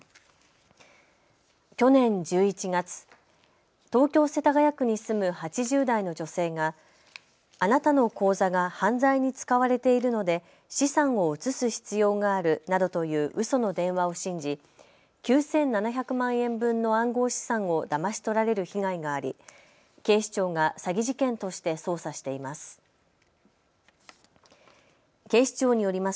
去年１１月、東京世田谷区に住む８０代の女性があなたの口座が犯罪に使われているので資産を移す必要があるなどといううその電話を信じ９７００万円分の暗号資産をだまし取られる被害があり警視庁が詐欺事件として捜査しています。